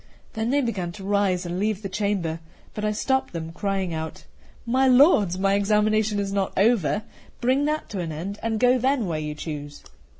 Then they began to rise and leave the chamber; but I stopped them, crying out: "My lords, my examination is not over; bring that to an end, and go then where you choose."